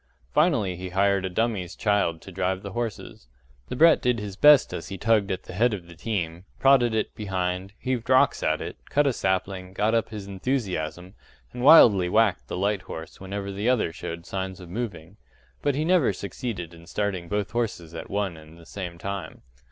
Finally he hired a dummy's child to drive the horses. The brat did his best he tugged at the head of the team, prodded it behind, heaved rocks at it, cut a sapling, got up his enthusiasm, and wildly whacked the light horse whenever the other showed signs of moving but he never succeeded in starting both horses at one and the same time.